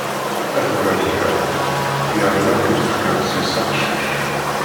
Ad t-barkeɣ yerna ad k-d-fkeɣ seg-s aqcic.